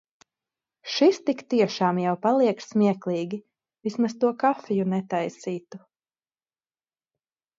Šis tik tiešām jau paliek smieklīgi, vismaz to kafiju netaisītu.